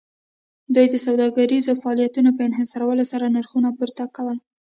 دوی د سوداګریزو فعالیتونو په انحصارولو سره نرخونه پورته کول